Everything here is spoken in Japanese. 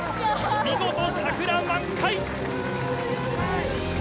見事桜満開！